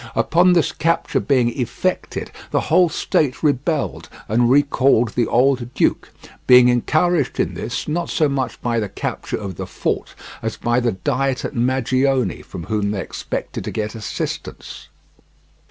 Upon this capture being effected, the whole state rebelled and recalled the old duke, being encouraged in this, not so much by the capture of the fort, as by the Diet at Magione, from whom they expected to get assistance.